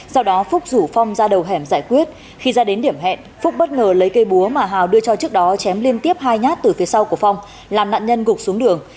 sau đó phúc rủ phong ra đầu hẻm giải quyết khi ra đến điểm hẹn phúc bất ngờ lấy cây búa mà hào đưa cho trước đó chém liên tiếp hai nhát từ phía sau của phong làm nạn nhân gục xuống đường